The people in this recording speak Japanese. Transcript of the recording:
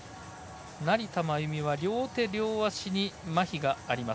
成田真由美は両手・両足にまひがあります。